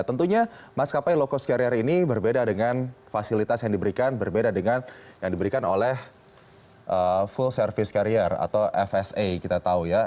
tentunya maskapai low cost carrier ini berbeda dengan fasilitas yang diberikan berbeda dengan yang diberikan oleh full service carrier atau fsa kita tahu ya